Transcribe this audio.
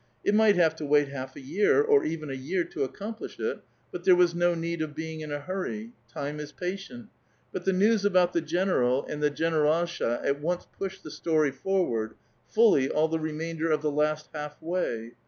It might have to wait half a year, or even a year, to accomplish it ; but there was no need of being in a. hurry ; time is patient. But the news about the general and the generdlaha at once pushed the story forward, fuUv all the remainder of the last half way.